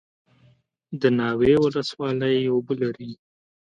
د ناوې ولسوالۍ اوبه لري